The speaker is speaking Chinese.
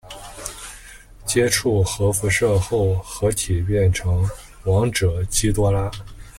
接触核辐射后合体变成王者基多拉。